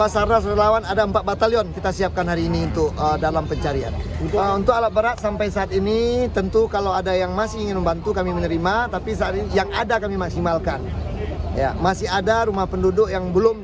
sisa banjir lahar hujan